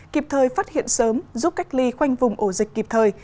kịp thời phát hiện sớm giúp cách ly khoanh vùng ổ dịch kịp thời